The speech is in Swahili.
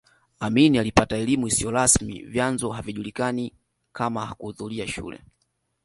Amin alipata elimu isiyo rasmi vyanzo haijulikani kama hakuhudhuria shule